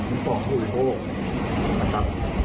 ของหน้า๖๐นะครับ